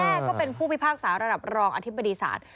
แม่ก็เป็นผู้วิภาคสาวระดับรองอธิบดีศาล